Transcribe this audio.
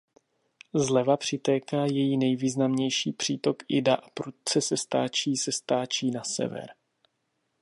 Zleva přitéká její nejvýznamnější přítok Ida a prudce se stáčí se stáčí na sever.